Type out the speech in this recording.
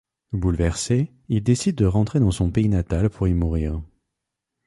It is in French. Bouleversé, il décide de rentrer dans son pays natal pour y mourir.